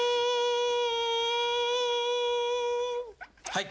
はい。